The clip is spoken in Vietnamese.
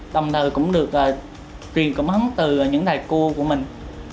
đồng thời cũng được truyền cảm hứng từ những thầy cô của mình